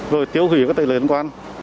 rồi tiêu hủy các tài lời liên quan